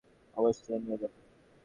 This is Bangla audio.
অবশ্যই নিয়ে যাব।